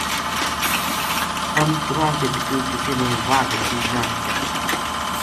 اُنھ ترواں کے بِچو کسے نے واہ گٹی نہ چک سکی